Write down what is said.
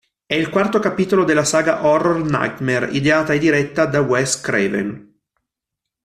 È il quarto capitolo della saga horror "Nightmare", ideata e diretta da Wes Craven.